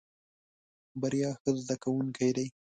بريا ښه زده کوونکی دی.